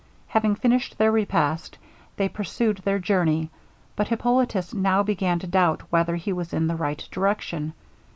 Having finished their repast, they pursued their journey; but Hippolitus now began to doubt whether he was in the right direction.